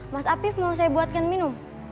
mas afif mau saya buatkan minum